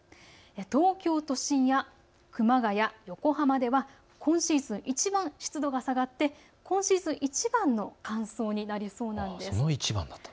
東京都心や熊谷、横浜では今シーズンいちばん低くなって今シーズン、いちばんの乾燥になりそうです。